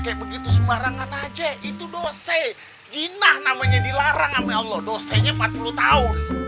kayak begitu sembarangan aja itu dose jinah namanya dilarang sama allah dosanya empat puluh tahun